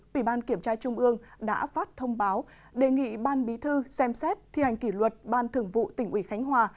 ủy ban kiểm tra trung ương đã phát thông báo đề nghị ban bí thư xem xét thi hành kỷ luật ban thường vụ tỉnh ủy khánh hòa